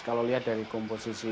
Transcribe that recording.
kalau lihat dari komposisi